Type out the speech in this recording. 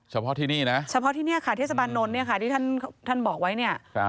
เฉพาะที่นี่นะเฉพาะที่นี่ค่ะเทศบาลนนท์เนี่ยค่ะที่ท่านบอกไว้เนี่ย